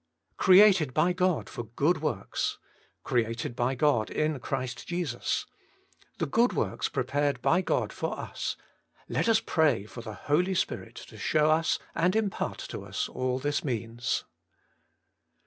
2. Created by God for good works ; created by God in Christ Jesus ; the good works prepared by God for us — let us pray for the Holy Spirit to show us and impart to us all this means.